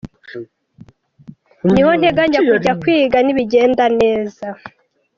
Niho nteganya kujya kwiga nibigenda neza.